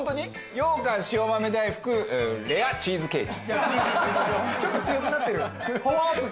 ようかん塩豆大福チーズケーキ。